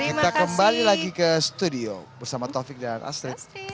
kita kembali lagi ke studio bersama taufik dan astrid